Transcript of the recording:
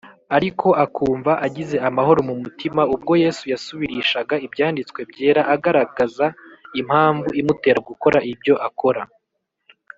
ariko akumva agize amahoro mu mutima ubwo Yesu yasubirishaga Ibyanditswe Byera agaragaza impamvu imutera gukora ibyo akora